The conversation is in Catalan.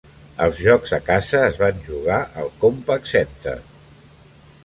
Els jocs a casa es van jugar al Compaq Center.